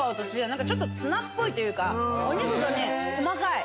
何かちょっとツナっぽいというかお肉が細かい。